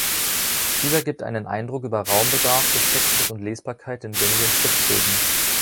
Dieser gibt einen Eindruck über Raumbedarf des Textes und Lesbarkeit in gängigen Schriftgrößen.